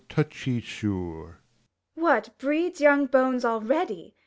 What, breeds young bones already